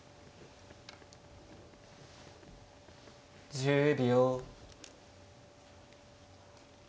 １０秒。